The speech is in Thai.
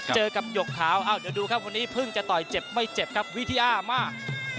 เจอกับหยกขาวเดี๋ยวดูครับคนนี้เพิ่งจะต่อยเจ็บไม่เจ็บครับวิทยามาก